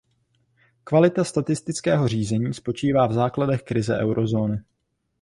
Kvalita statistického řízení spočívá v základech krize eurozóny.